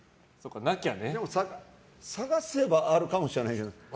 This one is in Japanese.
探せばあるかもしれないけど。